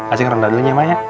acing ronda dulu ya mak ya